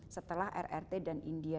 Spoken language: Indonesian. setelah rrt dan india